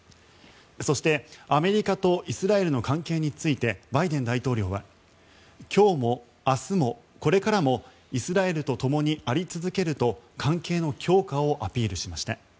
そして、アメリカとイスラエルの関係についてバイデン大統領は今日も明日もこれからもイスラエルとともにあり続けると関係の強化をアピールしました。